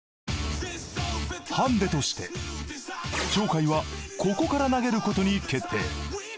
ハンデとして鳥海はここから投げることに決定。